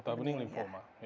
ketah bening limpoma